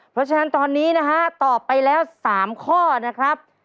เพราะฉะนั้นตอนนี้นะฮะตอบไปแล้ว๓ข้อนะครับ